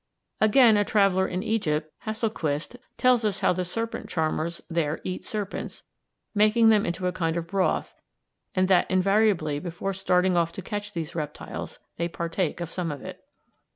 Again, a traveller in Egypt, Hasselquist, tells us how the serpent charmers there eat serpents, making them into a kind of broth, and that invariably before starting off to catch these reptiles they partake of some of it.